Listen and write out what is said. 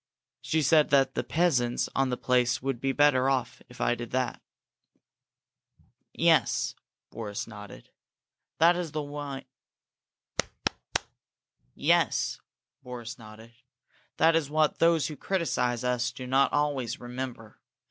She said that the peasants on the place would be better off if I did that." "Yes," Boris nodded. "That is what those who criticise us do not always remember.